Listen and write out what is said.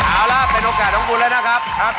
เอาล่ะเป็นโอกาสของคุณแล้วนะครับ